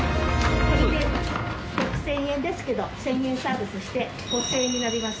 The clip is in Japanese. これで６０００円ですけど１０００円サービスして５０００円になります。